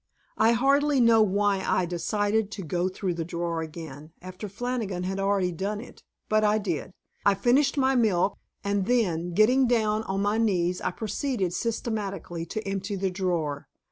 I hardly know why I decided to go through the drawer again, after Flannigan had already done it, but I did. I finished my milk and then, getting down on my knees, I proceeded systematically to empty the drawer.